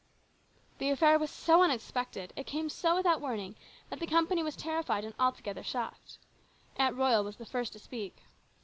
The affair was so unexpected, it came so without warning, that the company was terrified and alto gether shocked. Aunt Royal was the first to speak.